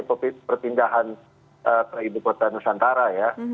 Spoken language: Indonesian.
perpindahan ke ibu kota nusantara ya